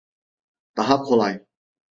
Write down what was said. Daha kolay.